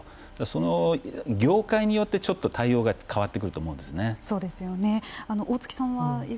その業界によってちょっと対応が変わってくると思うんですよね。